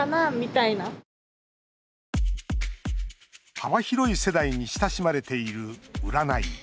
幅広い世代に親しまれている、占い。